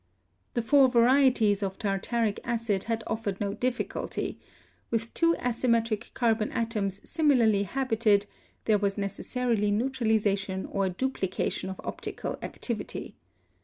The four va rieties of tartaric acid had offered no difficulty; with two asymmetric carbon atoms similarly habited there was necessarily neutralization or duplication of optical activity.